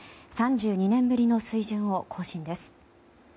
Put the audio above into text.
３２年ぶりの水準を更新です。